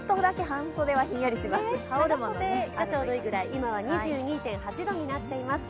半袖がちょうどいいくらい、今は２２．８度になっています。